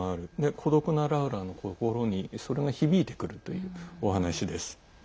孤独なラウラの心にそれが響いてくるというお話です。